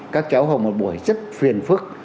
các cháu học một buổi rất phiền phức